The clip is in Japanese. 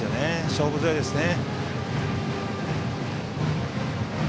勝負強いですね。